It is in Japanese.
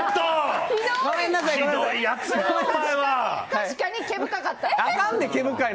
確かに毛深かった。